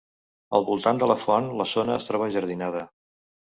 Al voltant de la font, la zona es troba enjardinada.